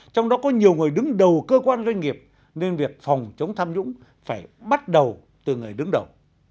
trong đó có nhiều người đứng đầu cơ quan doanh nghiệp nên việc phòng chống tham nhũng phải bắt đầu từ người đứng đầu